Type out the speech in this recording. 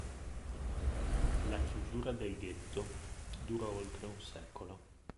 La chiusura del ghetto durò oltre un secolo.